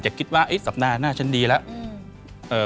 คิดว่าสัปดาห์หน้าฉันดีแล้ว